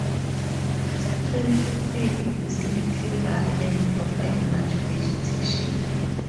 Streams feed this little valley and provide much vegetation.